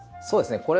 そうですね